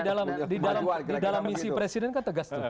ya di dalam misi presiden kan tegas tuh